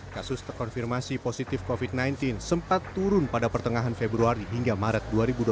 kasus terkonfirmasi positif covid sembilan belas sempat turun pada pertengahan februari hingga maret dua ribu dua puluh